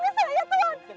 mereka cepat nathan